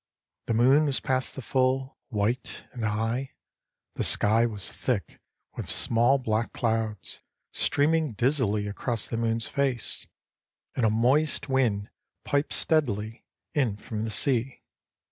The moon was past the full, white and high; the sky was thick with small black clouds, streaming dizzily across the moon's face, and a moist wind piped steadily, in from the sea.